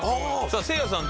さあせいやさん